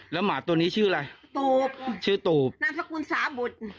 แล้วหมาตัวนี้ชื่ออะไรตูบชื่อตูบนามสกุลสาบุตร